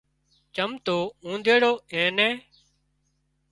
چم تو اوۮيڙو اين نين